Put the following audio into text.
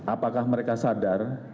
apakah mereka sadar